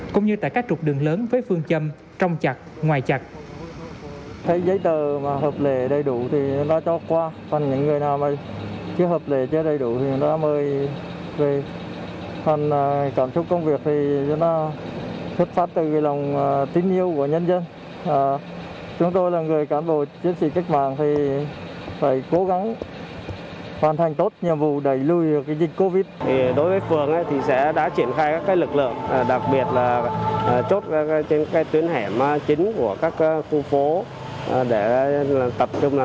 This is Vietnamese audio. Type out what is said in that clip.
cũng như tại các trục đường lớn với phương châm trong chặt ngoài chặt